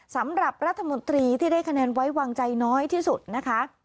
สำหรับรัฐมนตรีที่ได้คะแนนไว้วางใจน้อยที่สุดนะคะ